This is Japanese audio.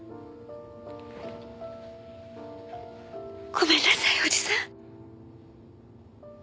ごめんなさいおじさん。